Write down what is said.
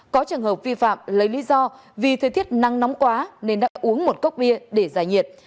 có trường hợp vi phạm lấy lý do vì thời tiết nắng nóng quá nên đã uống một cốc bia để giải nhiệt